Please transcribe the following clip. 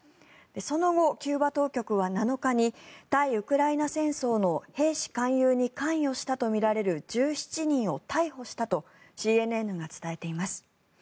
その後、キューバ当局は７日に対ウクライナ戦争の兵士勧誘に関与したとみられる１７人を逮捕したとＣＮＮが伝えています。